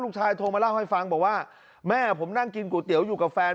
โทรมาเล่าให้ฟังบอกว่าแม่ผมนั่งกินก๋วยเตี๋ยวอยู่กับแฟน